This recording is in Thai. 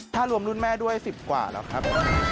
ถ้ารวมรุ่นแม่ด้วย๑๐กว่าแล้วครับ